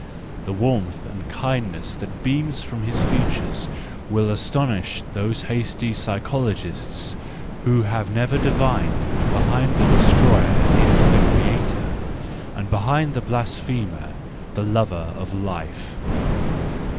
The warmth and kindness that beam from his features will astonish those hasty psychologists who have never divined that behind the destroyer is the creator, and behind the blasphemer the lover of life.